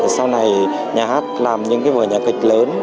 sau này nhà hát làm những cái vở nhà kịch lớn